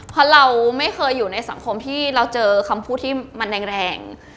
เพราะเราไม่เคยอยู่ในสังคมที่เราเจอคำพูดที่มันแรง